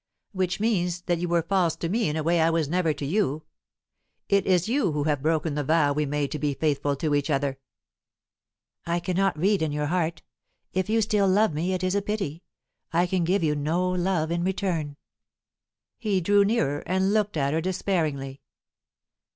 "Which means, that you were false to me in a way I never was to you. It is you who have broken the vow we made to be faithful to each other." "I cannot read in your heart. If you still love me, it is a pity; I can give you no love in return." He drew nearer, and looked at her despairingly.